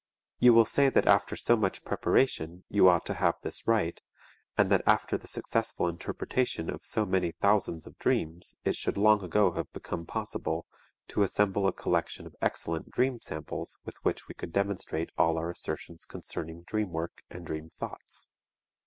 You will say that after so much preparation you ought to have this right, and that after the successful interpretation of so many thousands of dreams it should long ago have become possible to assemble a collection of excellent dream samples with which we could demonstrate all our assertions concerning dream work and dream thoughts.